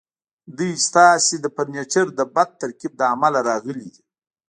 دوی ستاسو د فرنیچر د بد ترتیب له امله راغلي دي